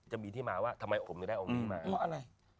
จะมีที่มาว่าทำไมผมก็ได้องค์ใหม่